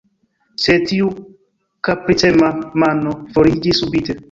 Sed tiu kapricema mano foriĝis subite.